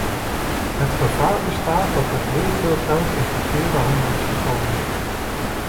Het gevaar bestaat dat er heel veel geld in verkeerde handen is gekomen.